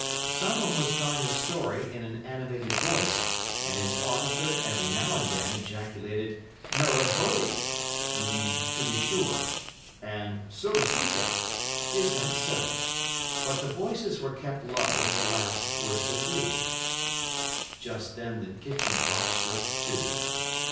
Someone was telling a story in an animated voice, and his auditor every now and then ejaculated 'naruhode' (to be sure) and 'sodesuka' (is that so), but the voices were kept low and the laughs were subdued. Just then the kitchen clock struck two.